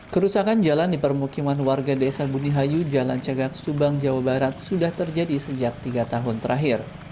kerusakan jalan di permukiman warga desa bunihayu jalan cegat subang jawa barat sudah terjadi sejak tiga tahun terakhir